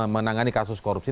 menangani kasus korupsi